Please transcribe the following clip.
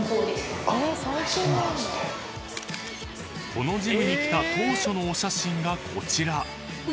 ［このジムに来た当初のお写真がこちら］